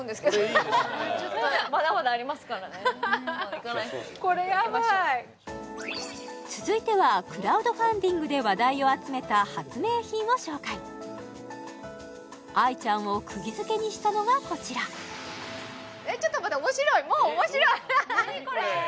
行かないとこれヤバい続いてはクラウドファンディングで話題を集めた発明品を紹介愛ちゃんをくぎづけにしたのがこちらえっちょっと待って何これ？